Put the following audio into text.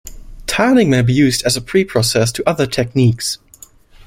Tiling may be used as a preprocess to other techniques.